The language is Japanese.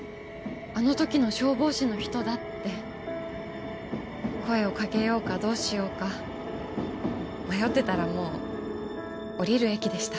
あの時の消防士の人だって声をかけようかどうしようか迷ってたらもう降りる駅でした